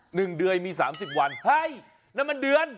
หนึ่งเดือนมีสามสิบวันเฮ้ยนั่นมันเดือน